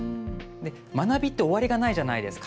学びって終わりがないじゃないですか。